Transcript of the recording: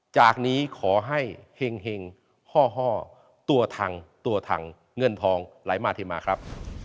จากนี้ขอให้แห่งห้อตัวทังตัวทังเงื่อนทองหลายมาทีมาครับ